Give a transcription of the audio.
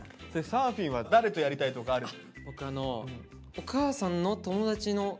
サーフィンは誰とやりたいとかあるの？